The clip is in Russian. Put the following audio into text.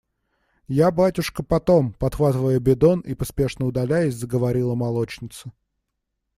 – Я, батюшка, потом. – подхватывая бидон и поспешно удаляясь, заговорила молочница.